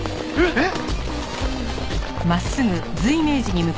えっ！